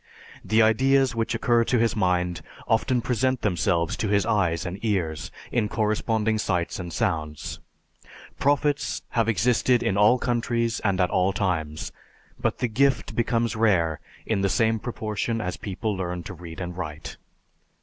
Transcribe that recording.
The ideas which occur to his mind often present themselves to his eyes and ears in corresponding sights and sounds.... Prophets have existed in all countries and at all times; but the gift becomes rare in the same proportion as people learn to read and write_.